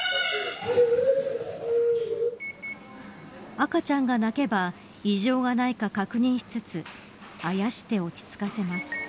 赤ちゃんが泣けば異常がないか確認しつつあやして落ち着かせます。